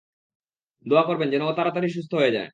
দোয়া করবেন যেনো ও তাড়াতাড়ি সুস্থ হয়ে যায়।